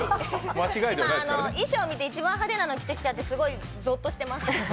衣装見て一番派手なの着てるのですごいゾッとしてます。